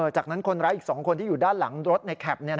จากนั้นคนร้ายอีก๒คนที่อยู่ด้านหลังรถในแคป